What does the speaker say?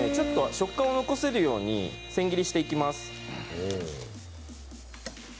食感を残せるように千切りしていきます。